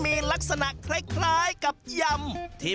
โรงโต้งคืออะไร